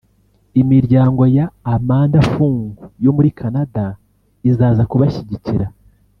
Imiryango ya Amanda Fung yo muri Canada izaza kubashyigikira